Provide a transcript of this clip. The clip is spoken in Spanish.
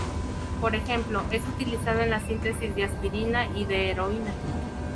Por ejemplo, es utilizado en la síntesis de aspirina y de heroína.